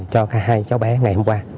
cho hai cháu bé ngày hôm qua